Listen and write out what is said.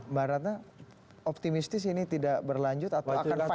mbak ratna optimistis ini tidak berlanjut atau akan